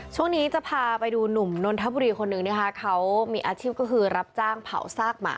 ช่วงนี้จะพาไปดูหนุ่มนนทบุรีคนหนึ่งนะคะเขามีอาชีพก็คือรับจ้างเผาซากหมา